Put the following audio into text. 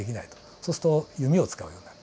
そうすると弓を使うようになる。